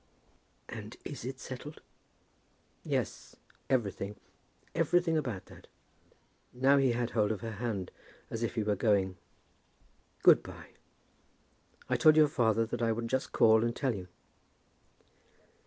"And is it settled?" "Yes; everything. Everything about that." Now he had hold of her hand as if he were going. "Good by. I told your father that I would just call and tell you."